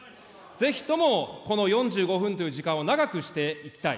ぜひともこの４５分という時間を長くしていきたい。